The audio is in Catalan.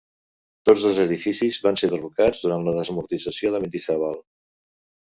Tots dos edificis van ser derrocats durant la desamortització de Mendizábal.